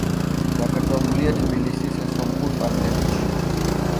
დაკრძალულია თბილისის სომხურ პანთეონში.